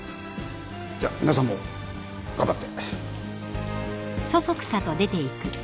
じゃ皆さんも頑張って。